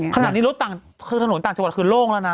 ขนาดนี้รถต่างคือถนนต่างจังหวัดคือโล่งแล้วนะ